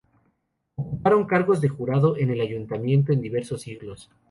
Ocuparon cargos de Jurado en el ayuntamiento en diversos siglos.